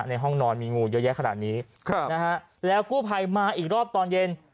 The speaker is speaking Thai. ในห้องนอนมีงูเยอะแยะขนาดนี้แล้วกู้ภัยมาอีกรอบตอนเย็น